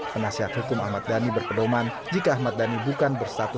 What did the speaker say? penasihat hukum ahmad dhani berpedoman jika ahmad dhani bukan bersatu